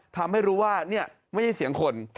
ทำให้รู้ว่านี่ไม่ใช่เสียงคน